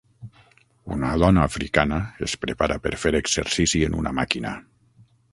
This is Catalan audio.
Una dona africana es prepara per fer exercici en una màquina.